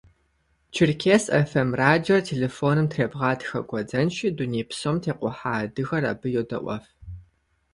«Черкес ФМ» радиор телефоным требгъатхэ гуэдзэнщи, дуней псом текъухьа адыгэр абы йодэIуэф.